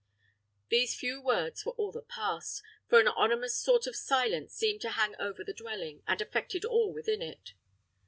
These few words were all that passed, for an ominous sort of silence seemed to hang over the dwelling, and affected all within it.